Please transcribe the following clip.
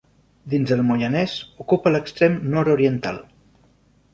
Dins del Moianès, ocupa l'extrem nord-oriental.